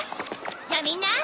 じゃあみんな。